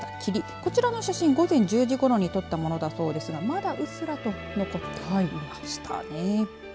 こちらの写真、午前１０時ころに撮ったものですがまだうっすらと残っていました。